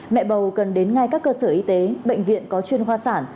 mẹ bầu cần đến ngay các cơ sở y tế bệnh viện có chuyên hoa sản